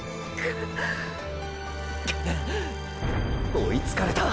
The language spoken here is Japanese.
追いつかれた！！